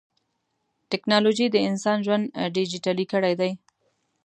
ټکنالوجي د انسان ژوند ډیجیټلي کړی دی.